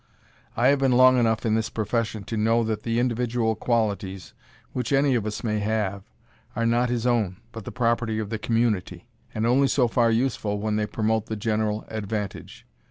I have been long enough in this profession to know that the individual qualities which any of us may have, are not his own, but the property of the Community, and only so far useful when they promote the general advantage.